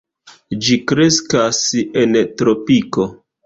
Ĝi kreskas en tropiko.